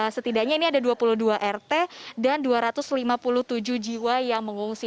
setidaknya ini ada dua puluh dua rt dan dua ratus lima puluh tujuh jiwa yang mengungsi